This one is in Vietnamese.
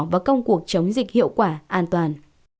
vào công cuộc chống dịch hiệu quả an toàn